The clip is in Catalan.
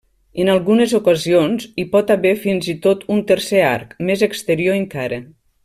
En algunes ocasions, hi pot haver fins i tot un tercer arc, més exterior encara.